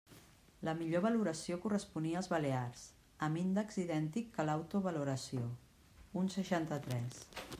La millor valoració corresponia als balears, amb índex idèntic que l'autovaloració, un seixanta-tres.